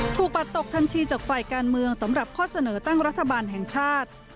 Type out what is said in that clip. ปัดตกทันทีจากฝ่ายการเมืองสำหรับข้อเสนอตั้งรัฐบาลแห่งชาติ